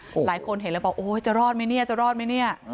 หลายคนเห็นแล้วบอกโอ้ยจะรอดไหมเนี่ยจะรอดไหมเนี่ย